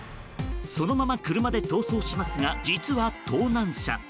そのまま車で逃走しますが実は盗難車。